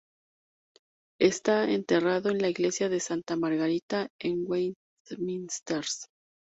Está enterrado en la iglesia de Santa Margarita en Westminster.